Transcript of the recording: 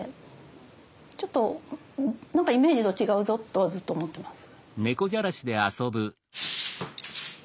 ちょっと何かイメージと違うぞとはずっと思ってます。